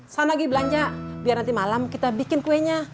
saya lagi belanja biar nanti malam kita bikin kuenya